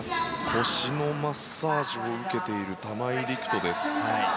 腰のマッサージを受けている玉井陸斗です。